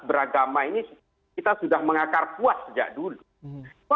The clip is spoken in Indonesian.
beragama ini kita sudah mengakar puas sejak dulu